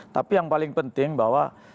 tapi yang paling penting bahwa